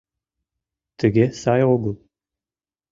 — Тыге сай огыл.